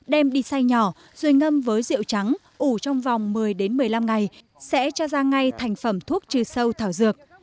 đem đi xay nhỏ rồi ngâm với rượu trắng ủ trong vòng một mươi một mươi năm ngày sẽ cho ra ngay thành phẩm thuốc trừ sâu thảo dược